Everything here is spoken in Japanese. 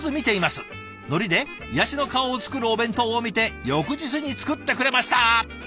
のりで癒やしの顔を作るお弁当を見て翌日に作ってくれました」。